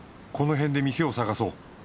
この辺で店を探そう。